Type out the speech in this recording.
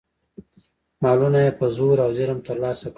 مالونه یې په زور او ظلم ترلاسه کړل.